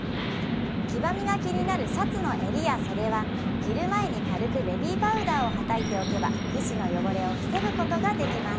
黄ばみが気になるシャツのエリや袖は着る前に軽くベビーパウダーをはたいておけば皮脂の汚れを防ぐことができます